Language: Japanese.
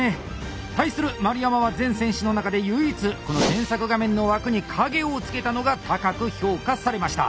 対する丸山は全選手の中で唯一この検索画面の枠に影を付けたのが高く評価されました。